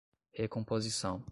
recomposição